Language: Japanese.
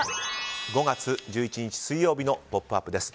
５月１１日、水曜日の「ポップＵＰ！」です。